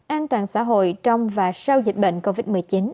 an toàn xã hội trong và sau dịch bệnh covid một mươi chín